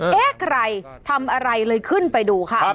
เอ๊ะใครทำอะไรเลยขึ้นไปดูค่ะ